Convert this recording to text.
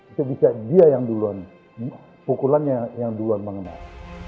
itu bisa dia yang duluan pukulannya yang duluan mengenal